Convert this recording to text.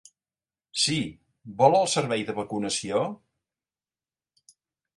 Sí, vol el servei de vacunació?